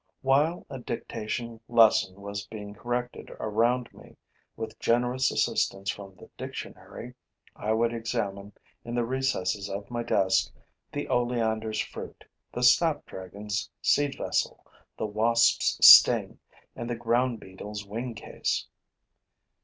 While a dictation lesson was being corrected around me, with generous assistance from the dictionary, I would examine, in the recesses of my desk, the oleander's fruit, the snapdragon's seed vessel, the wasp's sting and the ground beetle's wing case.